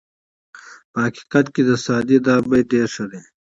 په حقیقت کې د سعدي دا بیت ډېر ښه دی.